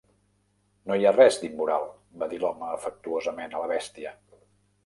"No hi ha res d'immoral", va dir l'home afectuosament a la bèstia.